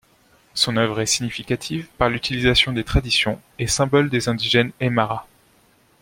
Son œuvre est significative par l'utilisation des traditions et symboles des indigènes Aymaras.